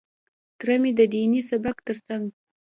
تره مې د ديني سبق تر څنګ.